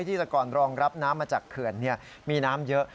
ที่แต่ก่อนรองรับน้ำมาจากเขื่อนมีน้ำเยอะ